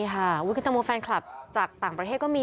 คือตังโมแฟนคลับจากต่างประเทศก็มี